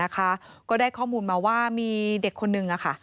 ก็ได้ข้อมูลมาว่ามีเด็กคนนึง